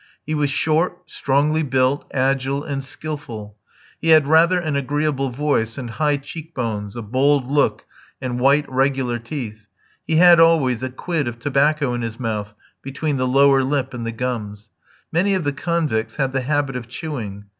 He was short, strongly built, agile, and skilful. He had rather an agreeable voice, and high cheek bones, a bold look, and white, regular teeth. He had always a quid of tobacco in his mouth between the lower lip and the gums. Many of the convicts had the habit of chewing.